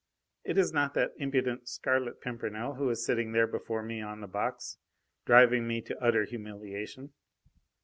It is not that impudent Scarlet Pimpernel who is sitting there before me on the box, driving me to utter humiliation!"